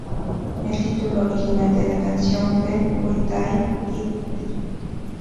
El título original de la canción fue "Why Did It Die?